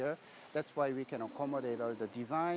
itulah sebabnya kami dapat mengawal pengembangan desain